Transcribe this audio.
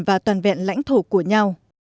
và toàn vẹn lãnh thổ của nhau